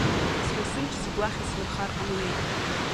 Сара сымч зегь уахь исмырхар ҟамлеит.